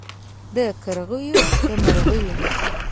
د کرغیو د مرغیو